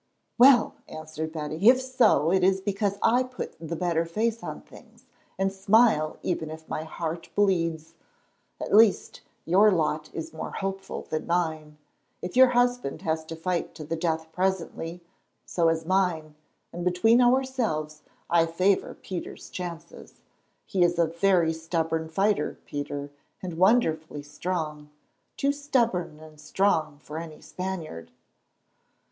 "Well," answered Betty, "if so, it is because I put the better face on things, and smile even if my heart bleeds. At least, your lot is more hopeful than mine. If your husband has to fight to the death presently, so has mine, and between ourselves I favour Peter's chances. He is a very stubborn fighter, Peter, and wonderfully strong—too stubborn and strong for any Spaniard."